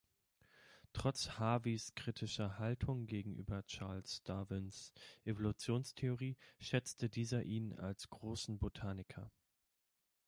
Trotz Harveys kritischer Haltung gegenüber Charles Darwins Evolutionstheorie schätzte dieser ihn als großen Botaniker.